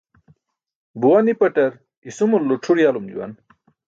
Buwa nipaṭar isumalulu c̣ʰur yalum juwaan.